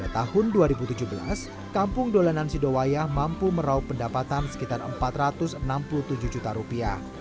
tahun dua ribu tujuh belas kampung dolanan sidowayah mampu meraup pendapatan sekitar empat ratus enam puluh tujuh juta rupiah